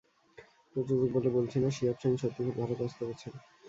প্রযোজক বলে বলছি না, শিহাব শাহীন সত্যিই খুব ভালো কাজ করেছেন।